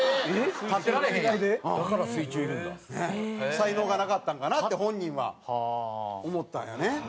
才能がなかったんかなって本人は思ったんやね。